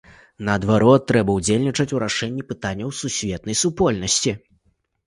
Наадварот, трэба ўдзельнічаць у рашэнні пытанняў сусветнай супольнасці.